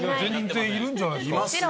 いるんじゃないですか？